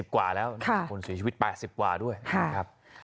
๗๐กว่าแล้วค่ะคนสวยชีวิต๘๐กว่าด้วยค่ะครับ